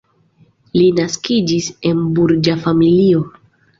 Li naskiĝis en burĝa familio.